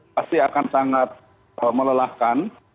pasti akan sangat melelahkan